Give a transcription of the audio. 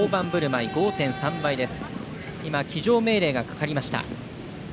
騎乗命令がかかりました。